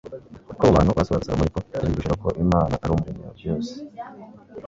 uko abo bantu basuraga salomo ni ko yabigishaga ko imana ari umuremyi wa byose